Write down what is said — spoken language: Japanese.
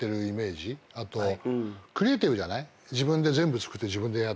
あとクリエーティブじゃない？